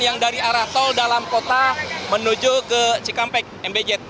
yang dari arah tol dalam kota menuju ke cikampek mbj